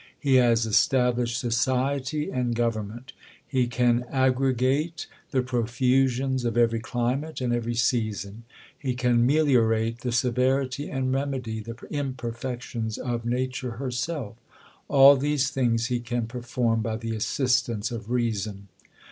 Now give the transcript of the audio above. He has estab lished society and government. He can aggregate the profusions of every climate, and every season. He can meliorate the severity, and remedy the imperfections, of ;i 304 THE COLUMBIAN ORATOR. of nature herself. All these things he can perform fey ^ the assistance of reason.